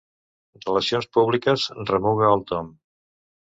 Relacions públiques, remuga el Tom.